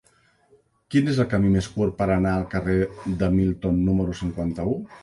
Quin és el camí més curt per anar al carrer de Milton número quaranta-u?